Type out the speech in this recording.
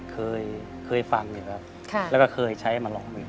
ก็เคยฟังนะครับและเคยใช้มาลอง